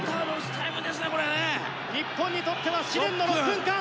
日本にとっては試練の６分間。